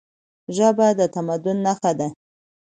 ژبه د تمدن نښه ده.